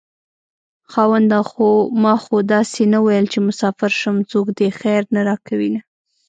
خاونده ما خو داسې نه وېل چې مساپر شم څوک دې خير نه راکوينه